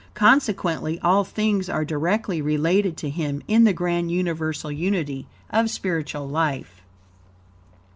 Consequently, all things are directly related to him, in the grand universal unity of spiritual life.